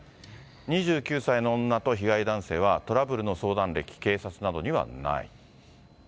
２９歳の女と被害男性は、トラブルの相談歴、警察などにはない。